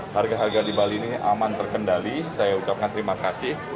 harga harga di bali ini aman terkendali saya ucapkan terima kasih